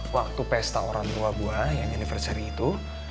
waktu pesta orang tua gue yang universary itu